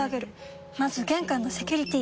まず玄関のセキュリティ！